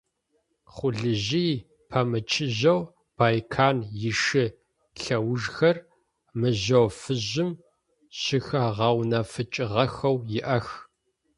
Хъулыжъые пэмычыжьэу Байкан ишы лъэужхэр мыжъо фыжьым щыхэгъэунэфыкӏыгъэхэу иӏэх.